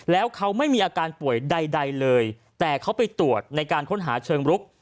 แล้วเขาไม่มีอาการป่วยใดเลยแต่เขาไปตรวจในการค้นหาเชิงรุก